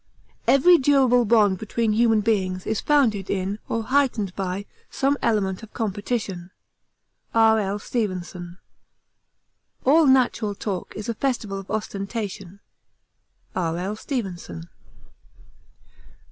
'Every durable bond between human beings is founded in or heightened by some element of competition.' R.L. STEVENSON. 'All natural talk is a festival of ostentation.' R.L. STEVENSON.